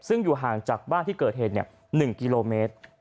ซึ่งอยู่ห่างจากบ้านที่เกิดเหตุ๑กิโลเมตร